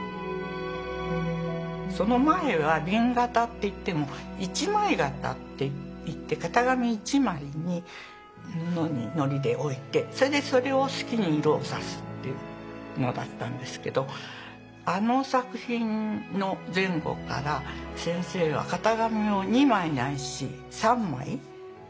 その前は紅型っていっても一枚型っていって型紙１枚にのりで置いてそれでそれを好きに色を差すっていうのだったんですけどあの作品の前後から先生は型紙を２枚ないし３枚使う。